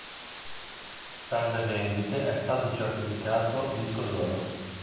Per le vendite è stato certificato disco d'oro.